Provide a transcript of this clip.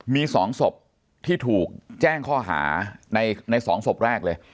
มี๒ศพที่ถูกแจ้งข้อหาใน๒ศพแรกเลย